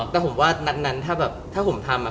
แต่ผมว่านัดนั้นถ้าผมทำ